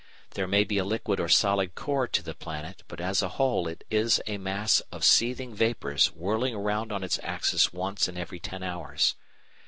There may be a liquid or solid core to the planet, but as a whole it is a mass of seething vapours whirling round on its axis once in every ten hours.